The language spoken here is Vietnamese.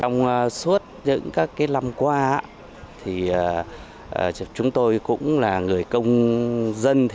trong suốt những các năm qua chúng tôi cũng là người công dân